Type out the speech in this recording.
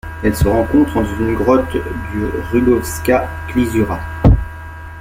Elle se rencontre dans une grotte du Rugovska Klisura.